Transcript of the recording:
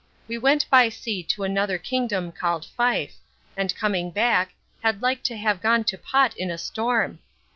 We went by sea to another kingdom called Fife, and coming back, had like to have gone to pot in a storm.